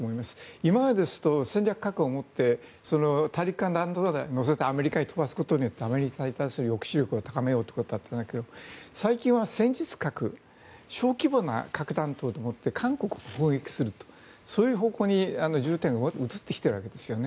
今まですと戦略核をもって大陸間弾道弾に乗せてアメリカに飛ばすことによってアメリカに対する抑止力を高めようということだったんだけど最近では戦術核小規模な核弾頭で韓国を攻撃する方向に重点が移ってきているわけですよね。